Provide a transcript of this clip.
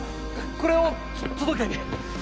これを届けに。